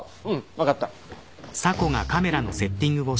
分かった。